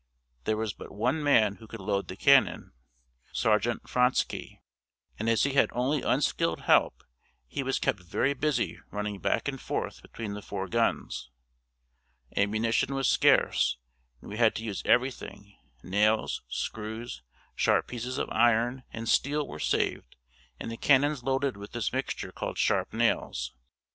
There was but one man who could load the cannon, Sargeant Frantzkey, and as he had only unskilled help he was kept very busy running back and forth between the four guns. Ammunition was scarce and we had to use everything; nails, screws, sharp pieces of iron and steel were saved and the cannons loaded with this mixture called Sharp Nails.